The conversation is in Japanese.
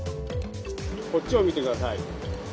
こっちを見てください。